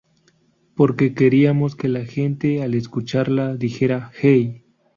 Porque queríamos que la gente al escucharla dijera: "Hey!